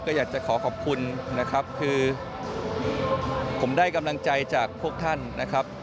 ก็อยากจะขอขอบคุณนะครับคือผมได้กำลังใจจากพวกท่านนะครับ